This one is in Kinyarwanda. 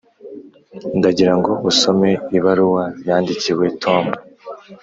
ndagira ngo usome ibaruwa yandikiwe, tom.